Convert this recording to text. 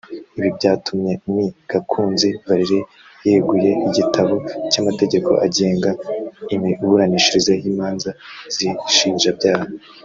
Ibi byatumye Me Gakunzi Valery yegura igitabo cy’amategeko agenga imiburanishirize y’imanza z’inshinjabyaha